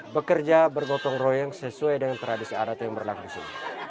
bekerja bergotong royeng sesuai dengan tradisi adat yang berlaku disini